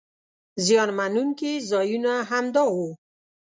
زیان مننونکي ځایونه همدا وو.